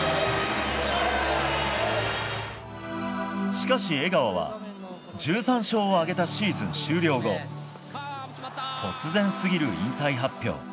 しかし江川は１３勝を挙げたシーズン終了後突然すぎる引退発表。